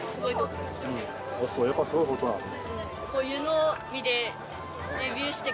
やっぱすごい事なんだ。